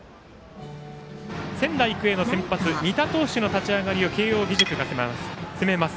仙台育英の先発仁田投手の立ち上がりを慶応義塾が攻めます。